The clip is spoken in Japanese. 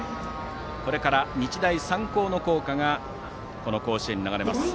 これから日大三高の校歌が甲子園に流れます。